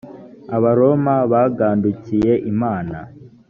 abaroma bagandukiye imana.